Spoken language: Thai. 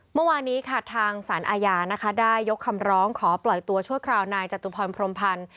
เมื่อวานนี้ค่ะทางสารอาญานะคะได้ยกคำร้องขอปล่อยตัวชั่วคราวนายจตุพรพรมพันธ์